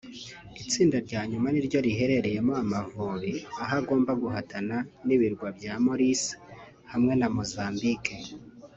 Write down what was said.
Itsinda rya nyuma ni ryo riherereyemo Amavubi aho agomba guhatana n’ibirwa bya Maurice hamwe na Mozambique